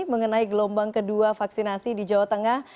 mengenai gelombang kedua vaksinasi di jawa tengah